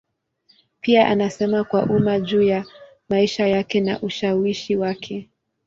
Pia anasema kwa umma juu ya maisha yake na ushawishi wake.